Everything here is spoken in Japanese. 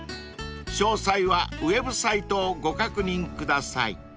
［詳細はウェブサイトをご確認ください］